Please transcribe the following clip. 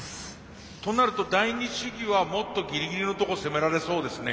となると第二試技はもっとギリギリのところ攻められそうですね。